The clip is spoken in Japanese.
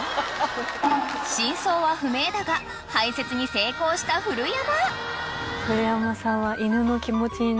［真相は不明だが排せつに成功した古山］